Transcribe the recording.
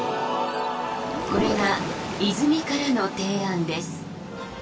これが泉からの提案です